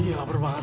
iya lapar banget